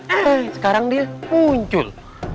eh sekarang dia muncul